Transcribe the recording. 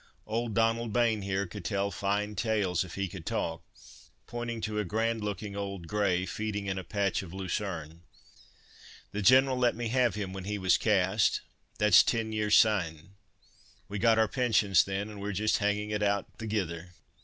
Old Donald Bane here could tell fine tales if he could talk"—pointing to a grand looking old grey, feeding in a patch of lucerne. "The General let me have him when he was cast, that's ten years syne. We got our pensions then, and we're just hanging it out thegither."